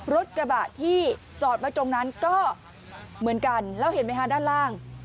รถกระบะที่จอดไว้ตรงนั้นก็เหมือนกันแล้วเห็นไหมฮะด้านล่าง